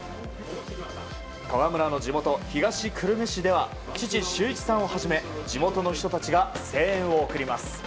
川村の地元・東久留米市では父・修一さんをはじめ地元の人たちが声援を送ります。